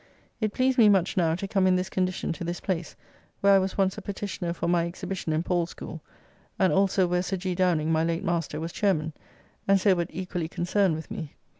It pleased me much now to come in this condition to this place, where I was once a petitioner for my exhibition in Paul's School; and also where Sir G. Downing (my late master) was chairman, and so but equally concerned with me.